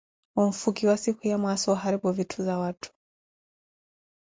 onfukiwa sikhuya mwaasa wa oharupu witthu za watthu.